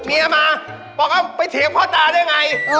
เมียมาบอกว่าไปเถียงพ่อตาได้ไง